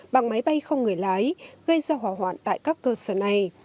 bằng máy bay không người lái gây ra hỏa hoạn tại các cơ sở này